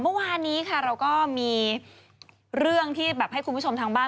เมื่อวานนี้ค่ะเราก็มีเรื่องที่แบบให้คุณผู้ชมทางบ้าน